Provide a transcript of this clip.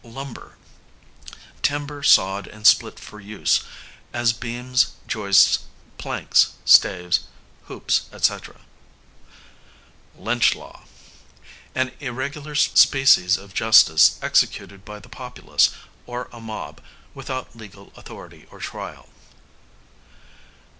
Lumber, timber sawed and split for use; as beams, joists, planks, staves, hoops, &c. Lynch law, an irregular species of justice executed by the populace or a mob, without legal authority or trial.